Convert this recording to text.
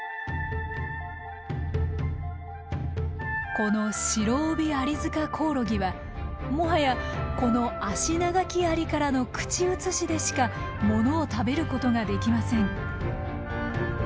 このシロオビアリヅカコオロギはもはやこのアシナガキアリからの口移しでしか物を食べることができません。